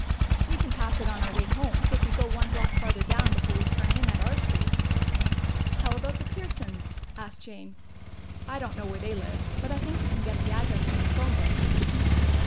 "We can pass it on our way home, if we go one block farther down before we turn in at our street." "How about the Pearsons?" asked Jane. "I don't know where they live. But I think we can get the address from the phone book."